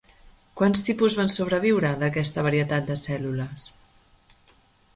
Quants tipus van sobreviure d'aquesta varietat de cèl·lules?